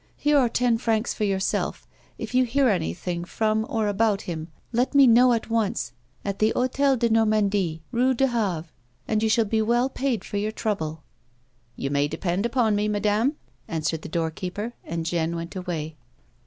Here are ten francs fi r your self. If you hear anything from or about him, let me know at once at the H6tel de Normandie, Paio du Havre, and you shall be well paid for your trouble." A WOMAN'S LIFE. 237 "You may depend upon me, madame," answered the doorkeeper; and Jeanne went away.